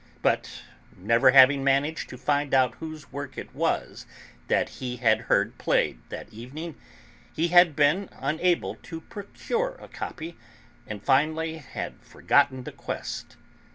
But, never having managed to find out whose work it was that he had heard played that evening, he had been unable to procure a copy, and finally had forgotten the quest.